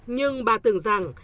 nhưng bà tưởng rằng